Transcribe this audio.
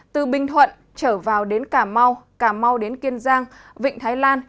từ bình thuận trở vào đến cà mau cà mau đến kiên giang vịnh thái lan